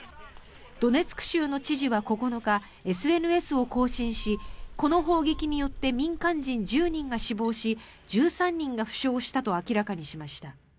ドネツク州の知事は９日ＳＮＳを更新しこの砲撃によって民間人１０人が死亡し１３人が負傷したと明らかにしました。